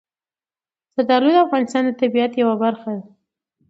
زردالو د افغانستان د طبیعت یوه برخه ده.